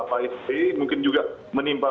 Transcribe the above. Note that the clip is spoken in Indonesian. pak sp mungkin juga menimpa